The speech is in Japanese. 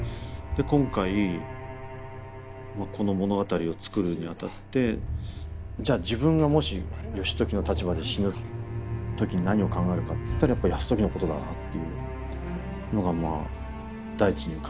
今回この物語を作るにあたってじゃあ自分がもし義時の立場で死ぬ時に何を考えるかっていったらやっぱ泰時のことだなっていうのが第一に浮かびましたよね。